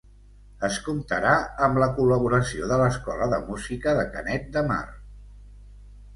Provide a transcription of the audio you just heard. Es comptarà amb la col·laboració de l'Escola de Música de Canet de Mar.